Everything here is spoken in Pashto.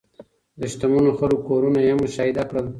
د شتمنو خلکو کورونه یې هم مشاهده کړل.